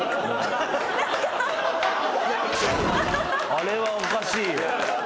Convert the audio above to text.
あれはおかしいよ。